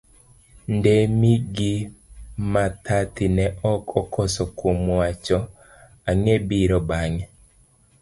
Ndemi gi Mathathi ne ok okoso kuom wacho ang'e biro bange.